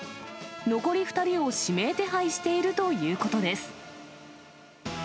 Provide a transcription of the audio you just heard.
残り２人を指名手配しているということです。